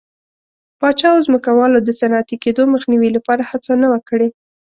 پاچا او ځمکوالو د صنعتي کېدو مخنیوي لپاره هڅه نه وه کړې.